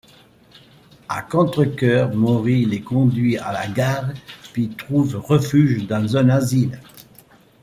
À contrecœur, Mori les conduit à la gare puis trouve refuge dans un asile.